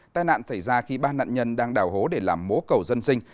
tai nạn xảy ra khi ba nạn nhân đang đào hố để làm mố cầu dân sinh